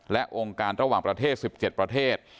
และองค์การระหว่างประเทศ๑๗ประเทศ